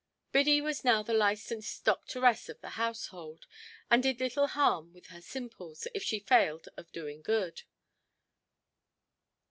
Biddy was now the licensed doctoress of the household, and did little harm with her simples, if she failed of doing good.